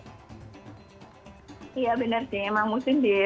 iya benar sih emang muslim deh